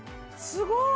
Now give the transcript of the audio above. すごい。